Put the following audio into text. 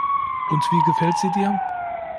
Und wie gefällt sie dir?